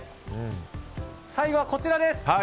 最後、こちらです！